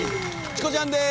チコちゃんです